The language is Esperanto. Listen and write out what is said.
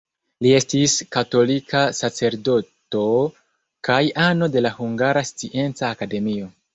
Li estis katolika sacerdoto kaj ano de la Hungara Scienca Akademio.